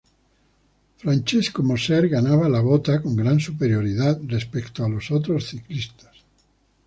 Francesco Moser ganaba la "Vota" con gran superioridad respecto a los otros ciclistas.